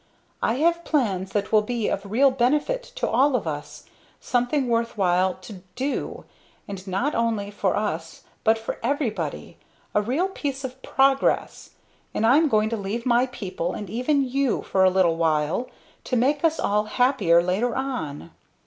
I have plans that will be of real benefit to all of us, something worth while to do and not only for us but for everybody a real piece of progress and I'm going to leave my people and even you! for a little while to make us all happier later on."